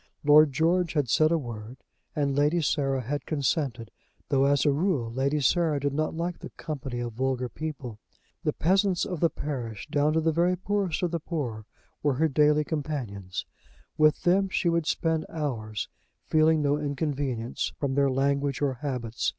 Lord George had said a word, and Lady Sarah had consented, though, as a rule, Lady Sarah did not like the company of vulgar people. The peasants of the parish, down to the very poorest of the poor, were her daily companions. With them she would spend hours, feeling no inconvenience from their language or habits.